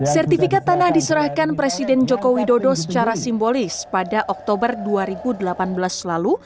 sertifikat tanah diserahkan presiden joko widodo secara simbolis pada oktober dua ribu delapan belas lalu